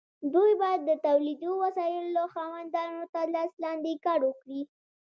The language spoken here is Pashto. دوی باید د تولیدي وسایلو د خاوندانو تر لاس لاندې کار وکړي.